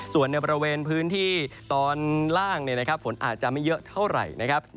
ส่วนในบริเวณพื้นที่ตอนล่างฝนอาจจะไม่เยอะเท่าไหร่นะครับ